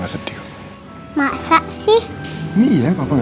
tidak ada yang nanya apa apa